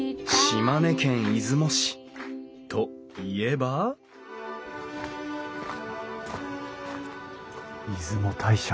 島根県出雲市といえば出雲大社。